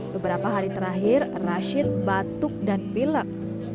beberapa hari terakhir rashid batuk dan pilek